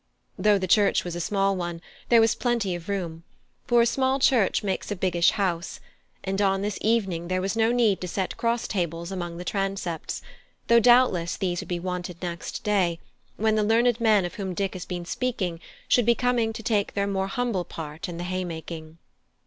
Though the church was a small one, there was plenty of room; for a small church makes a biggish house; and on this evening there was no need to set cross tables along the transepts; though doubtless these would be wanted next day, when the learned men of whom Dick has been speaking should be come to take their more humble part in the haymaking.